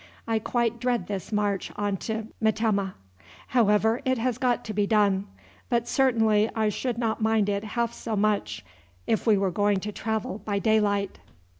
I quite dread this march on to Metemmeh. However, it has got to be done; but certainly I should not mind it half so much if we were going to travel by daylight."